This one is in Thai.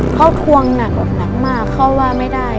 เขาทวงหนักแบบหนักมากเขาว่าไม่ได้